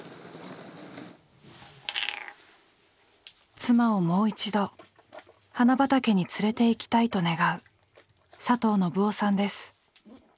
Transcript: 「妻をもう一度花畑に連れて行きたい」と願う佐藤信男さんです。